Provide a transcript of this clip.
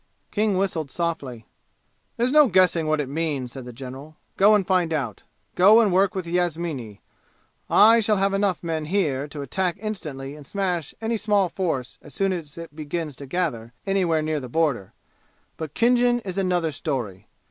King whistled softly. "There's no guessing what it means," said the general. "Go and find out. Go and work with Yasmini. I shall have enough men here to attack instantly and smash any small force as soon as it begins to gather anywhere near the border. But Khinjan is another story.